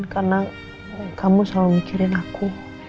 karena kamu selalu mikirin aku